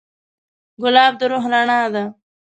ګلاب د روح رڼا ده.